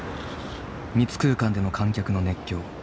密空間での観客の熱狂。